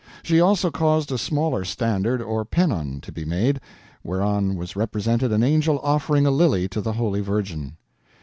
She also caused a smaller standard or pennon to be made, whereon was represented an angel offering a lily to the Holy Virgin.